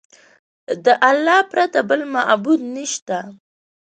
د الله پرته بل معبود نشته.